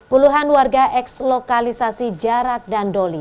puluhan warga eks lokalisasi jarak dan doli